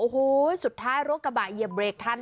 โอ้โหสุดท้ายรถกระบะเหยียบเบรกทัน